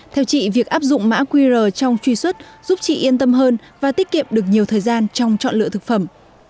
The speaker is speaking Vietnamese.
theo chị việc áp dụng mã qr trong truy xuất giúp chị yên tâm hơn và tiết kiệm được nhiều thời gian trong chọn lựa thực phẩm